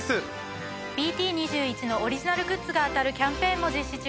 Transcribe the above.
ＢＴ２１のオリジナルグッズが当たるキャンペーンも実施中です。